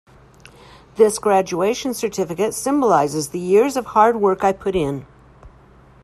This graduation certificate symbolizes the years of hard work I put in.